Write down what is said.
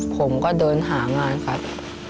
ผมก็เดินหางานครับ